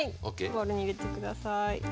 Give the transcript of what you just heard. ボウルに入れて下さい。